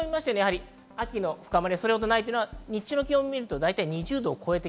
秋の深まりは、それほどないというのが日中の気温を見るとわかります。